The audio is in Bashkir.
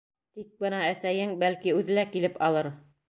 — Тик бына әсәйең... бәлки, үҙе лә килеп алыр.